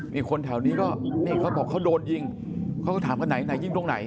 นี่คนแถวนี้ก็นี่เขาบอกเขาโดนยิงเขาก็ถามกันไหนไหนยิงตรงไหน